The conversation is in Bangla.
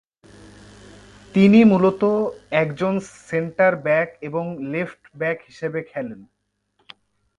তিনি মূলত একজন সেন্টার-ব্যাক এবং লেফট-ব্যাক হিসেবে খেলেন।